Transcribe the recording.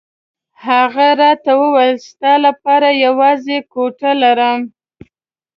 هغه راته وویل ستا لپاره یوازې کوټه لرم.